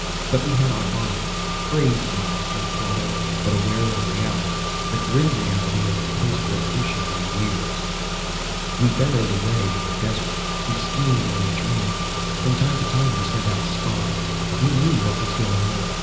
But we had our minds. Crazed minds, you'd call them but aware of reality. The grim reality of the post revolutionary years. "We burrowed away in the desert. We schemed and we dreamed. From time to time we sent out spies. We knew what was going on.